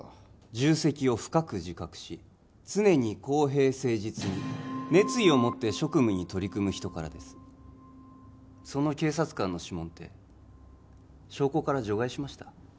重責を深く自覚し常に公平誠実に熱意を持って職務に取り組む人からですその警察官の指紋って証拠から除外しました？